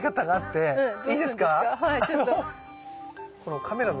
はい。